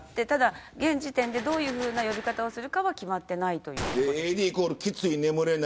ただ、現時点でどのような呼び方をするかは決まっていないということです。